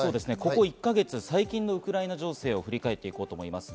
ここ１か月の最近のウクライナ情勢を振り返ります。